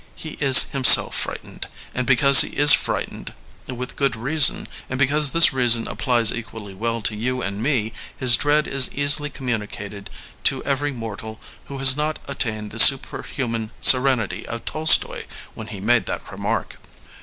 He is himself frightened, and because he is frightened with good reason, and because this reason applies equally well to you and to me, his dread is easily communicated to every mortal who has not attained the super human serenity of Tolstoy when he made that re mark.